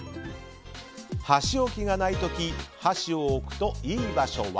箸置きがない時箸を置くといい場所は。